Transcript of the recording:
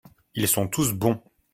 Ils sont tous bons.